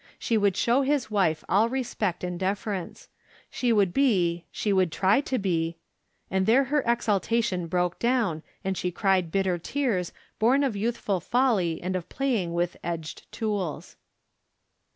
She would show his wife all respect and deference. She would be — she would try to be — And there her exaltation broke down, and she cried bitter tears, born of youthful folly and of playing with edged tools.